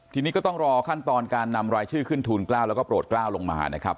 ทีนี้ก็ต้องรอขั้นตอนการนำรายชื่อขึ้นทูล๙แล้วก็โปรดกล้าวลงมานะครับ